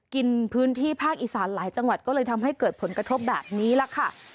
กินพื้นที่ภาคอีสานหลายจังหวัดก็เลยทำให้เกิดผลกระทบแบบนี้ล่ะค่ะ